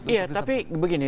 iya tapi begini